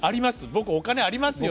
「僕お金あります。